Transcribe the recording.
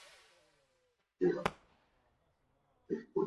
সবাই, সরো, সরো সাধারণত আইএসসির অনুমতি ব্যতীত কিছুই চলাচল করে না।